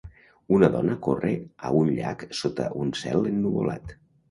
Una dona corre a un llac sota un cel ennuvolat.